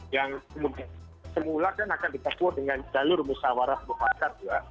yang semula kan akan ditemukan dengan jalur musawarah berpakat ya